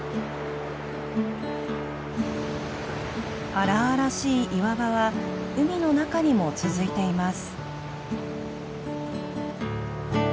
荒々しい岩場は海の中にも続いています。